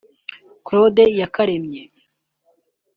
Claude Iyakaremye